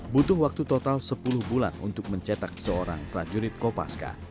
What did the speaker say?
butuh waktu total sepuluh bulan untuk mencetak seorang prajurit kopaska